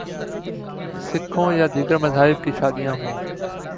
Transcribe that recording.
سکھوں یا دیگر مذاہب کی شادیاں ہوں۔